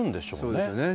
そうですよね。